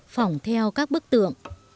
phỏng theo các bức tượng